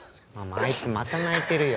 あいつまた泣いてるよ。